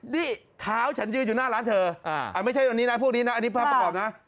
นี่เท้าฉันยืนอยู่หน้าร้านเธอไม่ใช่อันนี้นะพวกนี้นะอันนี้ภาพประกอบนะ